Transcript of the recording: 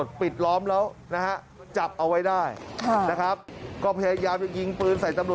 ตอนนี้ก็ยิ่งแล้ว